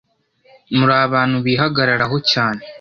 Muri abantu bihagararaho cyane